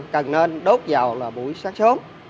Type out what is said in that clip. cần nên đốt vào là buổi sáng sớm